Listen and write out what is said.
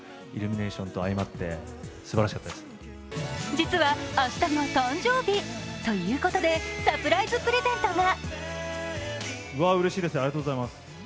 実は明日が誕生日ということでサプライズプレゼントが。